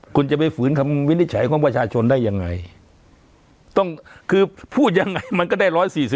คุณจะไปฝืนความวินิจฉัยบ่วนประชาชนได้ยังไงพูดยังไงมันก็ได้๑๔๑